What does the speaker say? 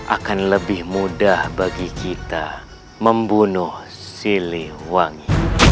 akan lebih mudah bagi kita membunuh siliwangi